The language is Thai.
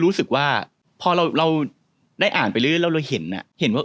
รู้สึกว่าพอเราได้อ่านไปเรื่อยแล้วเราเห็นอ่ะเห็นว่า